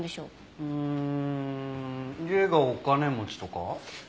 うん家がお金持ちとか？